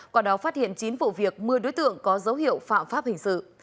quả đó phát hiện chín vụ việc một mươi đối tượng có dấu hiệu phạm pháp hình sự